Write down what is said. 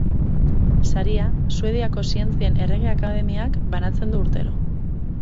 Saria Suediako Zientzien Errege-Akademiak banatzen du urtero.